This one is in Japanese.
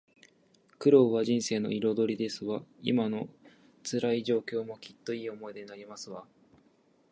苦労は人生の彩りですわ。今の辛い状況も、きっといい思い出になりますわ